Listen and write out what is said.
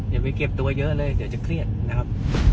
อย่าไปเก็บตัวเยอะเลยเดี๋ยวจะเครียดนะครับ